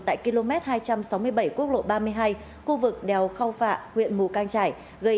tại km hai trăm sáu mươi bảy quốc lộ ba mươi hai khu vực đèo cao phạ huyện mù cang trải